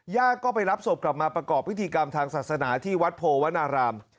ญาติก็ไปรับศพกลับมาประกอบพิธีกรรมทางศาสนาที่วัดโพวนาราม